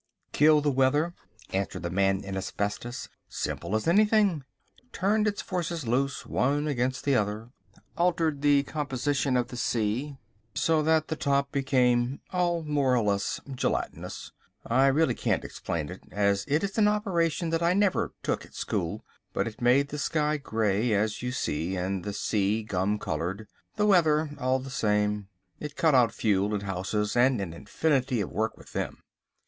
"Killed the weather!" answered the Man in Asbestos. "Simple as anything—turned its forces loose one against the other, altered the composition of the sea so that the top became all more or less gelatinous. I really can't explain it, as it is an operation that I never took at school, but it made the sky grey, as you see it, and the sea gum coloured, the weather all the same. It cut out fuel and houses and an infinity of work with them!"